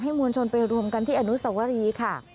มวลชนไปรวมกันที่อนุสวรีค่ะ